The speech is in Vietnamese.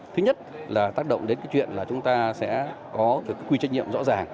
thứ nhất là tác động đến chuyện chúng ta sẽ có quy trách nhiệm rõ ràng